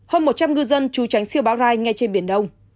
hơn một trăm linh ngư dân trú tránh siêu bão rai ngay trên biển đông